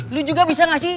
lo juga bisa nggak sih